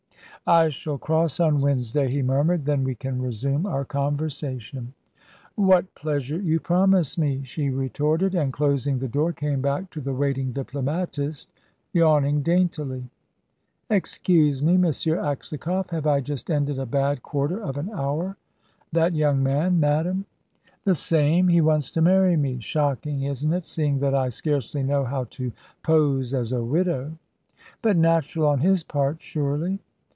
"I shall cross on Wednesday," he murmured; "then we can resume our conversation." "What pleasure you promise me!" she retorted; and, closing the door, came back to the waiting diplomatist, yawning daintily. "Excuse me, M. Aksakoff: I have just ended a bad quarter of an hour." "That young man, madame?" "The same. He wants to marry me. Shocking, isn't it, seeing that I scarcely know how to pose as a widow?" "But natural on his part, surely."